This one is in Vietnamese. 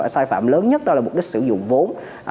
sai phạm lớn nhất đó là mục đích sử dụng vốn